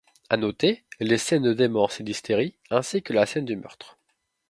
À noter, les scènes de démence et d'hystérie, ainsi que la scène du meurtre.